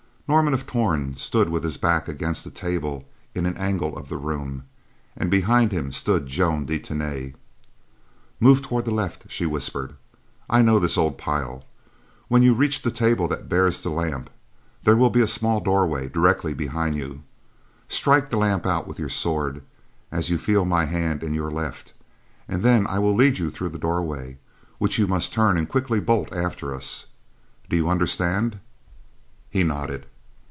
Norman of Torn stood with his back against a table in an angle of the room, and behind him stood Joan de Tany. "Move toward the left," she whispered. "I know this old pile. When you reach the table that bears the lamp, there will be a small doorway directly behind you. Strike the lamp out with your sword, as you feel my hand in your left, and then I will lead you through that doorway, which you must turn and quickly bolt after us. Do you understand?" He nodded.